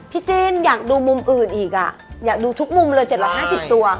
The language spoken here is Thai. จิ้นอยากดูมุมอื่นอีกอ่ะอยากดูทุกมุมเลย๗๕๐ตัว